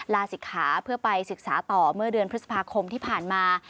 ลาศิกขาเพื่อไปศึกษาต่อเมื่อเดือนพฤษภาคมที่ผ่านมา